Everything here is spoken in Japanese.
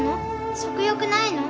食欲ないの？